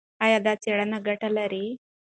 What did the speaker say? ایا دا څېړنه ګټه لري؟